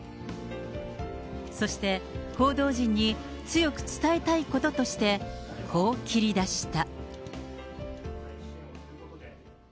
そして、報道陣に強く伝えたいこととして、こう切り出した。